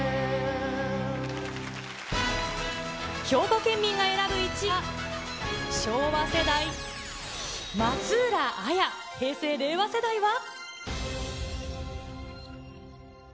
兵庫県民が選ぶ１位は、昭和世代、松浦亜弥。平成・令和世代は。